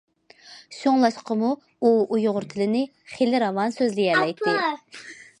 شۇڭلاشقىمۇ ئۇ ئۇيغۇر تىلىنى خېلى راۋان سۆزلىيەلەيتتى.